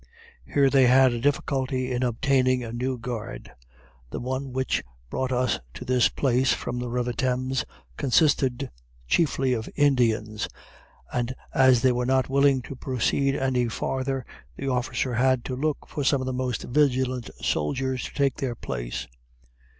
Here they had a difficulty in obtaining a new guard: the one which brought us to this place from the river Thames consisted chiefly of Indians, and as they were not willing to proceed any farther, the officer had to look for some of the most vigilant soldiers to take their place.